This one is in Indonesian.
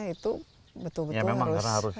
itu betul betul harus